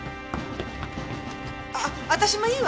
あっ私もいいわ。